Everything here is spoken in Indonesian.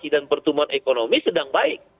dan pertumbuhan ekonomi sedang baik